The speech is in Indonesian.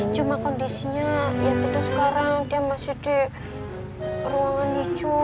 cuma kondisinya ya gitu sekarang dia masih di ruangan hijau